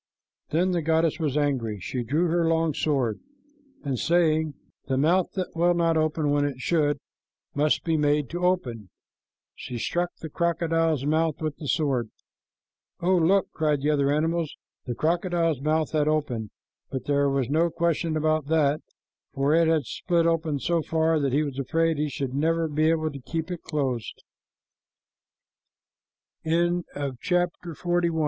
Then the goddess was angry. She drew her long sword, and saying, "The mouth that will not open when it should must be made to open," she struck the crocodile's mouth with the sword. "Oh, look!" cried the other animals. The crocodile's mouth had opened; there was no question about that, for it had split open so far that he was afraid he sho